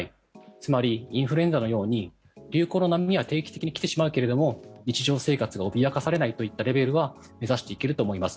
つまり、インフルエンザのように流行の波は定期的に来てしまうけれど日常生活が脅かされないといったレベルは目指していけると思います。